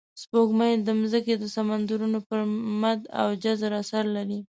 سپوږمۍ د ځمکې د سمندرونو پر مد او جزر اثر لري